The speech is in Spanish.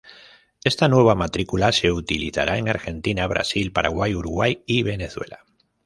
Esta nueva matrícula se utilizará en Argentina, Brasil, Paraguay, Uruguay y Venezuela.